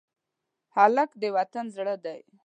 هلک د وطن زړه دی.